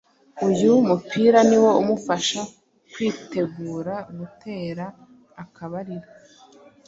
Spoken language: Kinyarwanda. Uyu mupira niwo umufasha kwitegura gutera akabariro